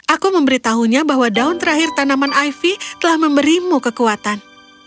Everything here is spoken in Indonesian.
aku memberitahunya bahwa daun terakhir tanaman iv telah memberimu kekuatan